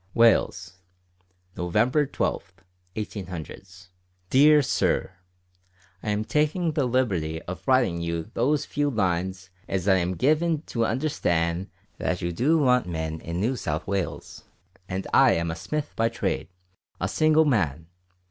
"Wales, Nov. 12, 18 . "DEAR SIR, I am taking the liberty of writeing you those few lines as I am given to understand that you do want men in New South Wales, and I am a Smith by Trade; a single man.